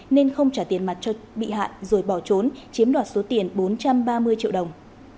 nên không trả tiền mặt cho bị hại rồi bỏ trốn chiếm đoạt số tiền bốn trăm ba mươi triệu đồng